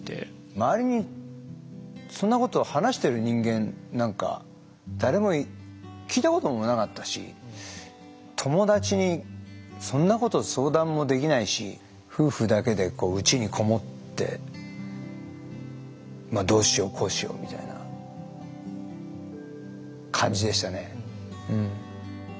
周りにそんなことを話してる人間なんか誰も聞いたこともなかったし友達にそんなこと相談もできないし夫婦だけで内にこもってどうしようこうしようみたいな感じでしたね。